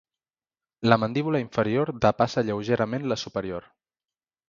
La mandíbula inferior depassa lleugerament la superior.